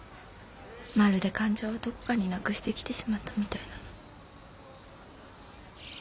まるで感情をどこかになくしてきてしまったみたいなの。